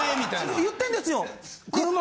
言ってんですよ。